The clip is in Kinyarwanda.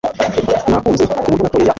nakunze kuburyo natoye ya